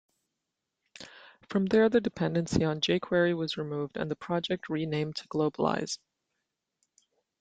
From there the dependency on jQuery was removed and the project renamed to Globalize.